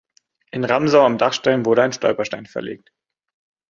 In Ramsau am Dachstein wurde ein Stolperstein verlegt.